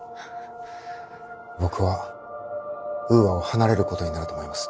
僕はウーアを離れることになると思います。